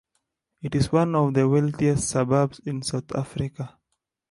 It is one of the wealthiest suburbs in South Africa.